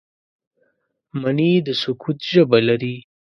مني د سکوت ژبه لري